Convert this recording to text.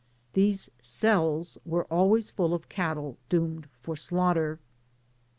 These ceUs were always full of cattle doomed to slaughter.